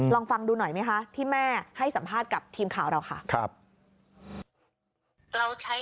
ลองฟังดูหน่อยไหมคะที่แม่ให้สัมภาษณ์กับทีมข่าวเราค่ะ